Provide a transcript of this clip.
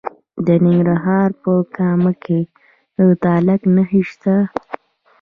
د ننګرهار په کامه کې د تالک نښې شته.